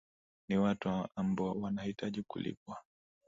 ni watu ambo wanahitaji kulipwa